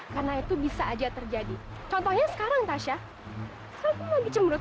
karena itu bisa aja terjadi contohnya sekarang tasha kamu lagi cemberut di sini sendirian kan